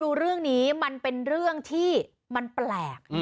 ดูเรื่องนี้มันเป็นเรื่องที่มันแปลก